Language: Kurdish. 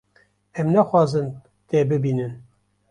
Em naxwazin te bibînin.